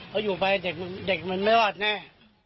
เขาอยู่ไปเด็กมันไม่รอดแน่